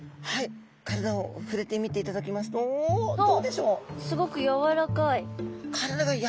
体をふれてみていただきますとどうでしょう？